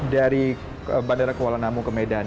dari bandara kuala namu ke medan